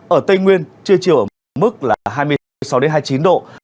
ở tây nguyên chưa chịu ở mức là hai mươi sáu hai mươi chín độ